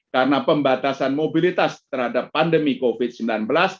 karena pembataan mobilitas terhadap pandemi covid sembilan belas